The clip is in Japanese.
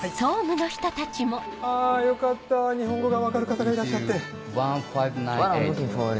あぁよかった日本語が分かる方がいらっしゃって。